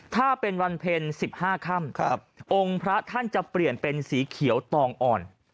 ถ้าเป็นวันเพ็ญ๑๕ค่ำองค์พระท่านจะเปลี่ยนเป็นสีเขียวตองอ่อน